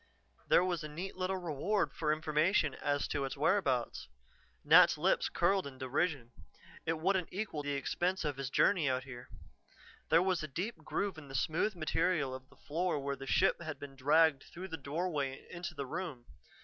There was a neat little reward for information as to its whereabouts. Nat's lips curled in derision: it wouldn't equal the expense of his journey out here. There was a deep groove in the smooth material of the floor where the ship had been dragged through the doorway into the room.